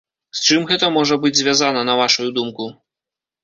З чым гэта можа быць звязана, на вашую думку?